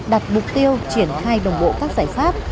đặt mục tiêu triển khai đồng bộ các giải pháp